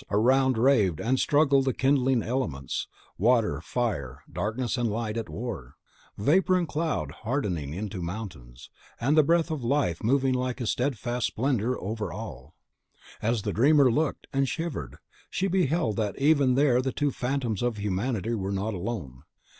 In the gigantic chaos around raved and struggled the kindling elements; water and fire, darkness and light, at war, vapour and cloud hardening into mountains, and the Breath of Life moving like a steadfast splendour over all. As the dreamer looked, and shivered, she beheld that even there the two phantoms of humanity were not alone.